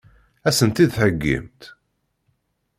Ad sen-tt-id-theggimt?